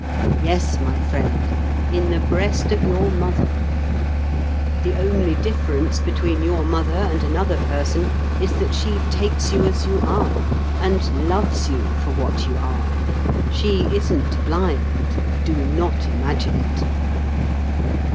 Yes, my friend, in the breast of your mother. The only difference between your mother and another person is that she takes you as you are, and loves you for what you are. She isn't blind: do not imagine it.